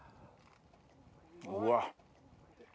うわっ。